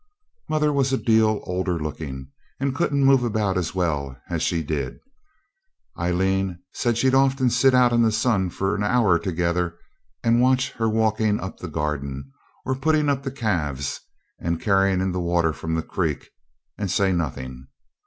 Mother was a deal older looking, and couldn't move about as well as she did. Aileen said she'd often sit out in the sun for an hour together and watch her walking up the garden, or putting up the calves, and carrying in the water from the creek, and say nothing.